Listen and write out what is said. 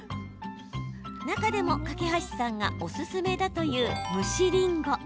中でも、梯さんがおすすめだという蒸しりんご。